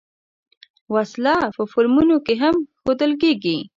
وسله په فلمونو کې هم ښودل کېږي